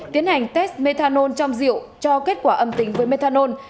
tiến hành test methanol trong rượu cho kết quả âm tính với methanol